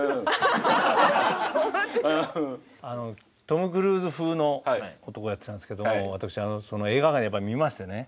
トム・クルーズ風の男をやってたんですけど私映画館でやっぱり見ましてね。